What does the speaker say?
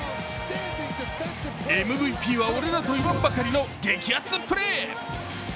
ＭＶＰは俺だと言わんばかりの激アツプレー。